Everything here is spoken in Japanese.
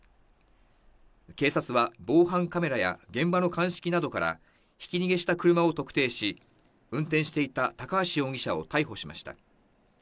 警察は防犯カメラや現場の鑑識などからひき逃げした車を特定し、運転していた高橋容疑者を逮捕しました。